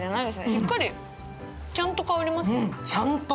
しっかりちゃんと香りますね。